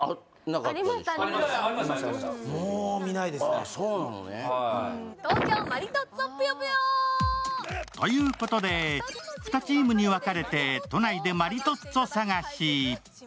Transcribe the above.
今回の説はということで、２チームに分かれて都内でマリトッツォ探し。